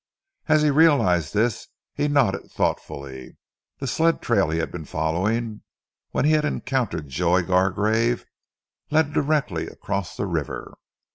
As he realized this he nodded thoughtfully. The sled trail he had been following, when he had encountered Joy Gargrave, led directly across the river.